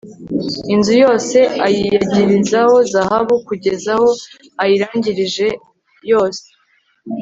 inzu yose ayiyagirizaho zahabu kugeza aho ayirangirije yose